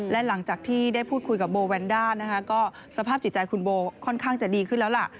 และหลังจากที่ได้พูดคุยกับโบแวนด้านะคะก็สภาพจิตใจคุณโบค่อนข้างจะดีขึ้นแล้วล่ะ